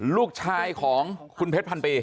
ลูกชายของคุณเพชรพันปี